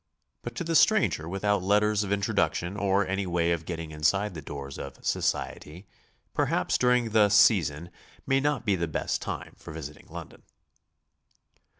But to the stranger without letters of introduction or any way of getting inside the doors of "society," perhaps during the "season" may not be the best time for visiting London.